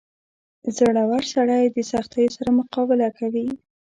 • زړور سړی د سختیو سره مقابله کوي.